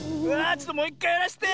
ちょっともういっかいやらせて。